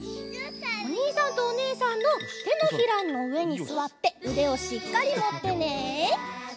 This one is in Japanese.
おにいさんとおねえさんのてのひらのうえにすわってうでをしっかりもってね。